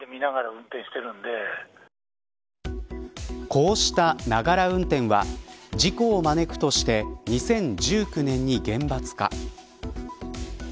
こうしたながら運転は事故を招くとして２０１９年に厳罰化。